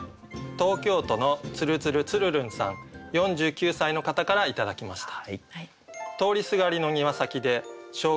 東京都のつるつるつるるんさん４９歳の方から頂きました。